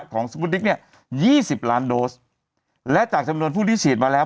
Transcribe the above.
สมุดิ๊กเนี่ยยี่สิบล้านโดสและจากจำนวนผู้ที่ฉีดมาแล้ว